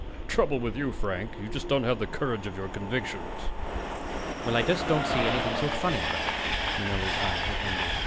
"Trouble with you, Frank, you just don't have the courage of your convictions." "Well, I don't see anything so funny about it!" Manelli's eyes were angry.